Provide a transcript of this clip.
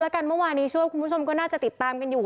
แล้วกันเมื่อวานนี้เชื่อว่าคุณผู้ชมก็น่าจะติดตามกันอยู่